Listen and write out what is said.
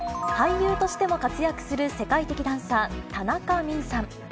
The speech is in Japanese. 俳優としても活躍する世界的ダンサー、田中泯さん。